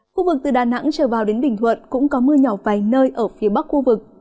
khu vực từ đà nẵng trở vào đến bình thuận cũng có mưa nhỏ vài nơi ở phía bắc khu vực